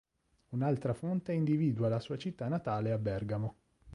Un'altra fonte individua la sua città natale a Bergamo.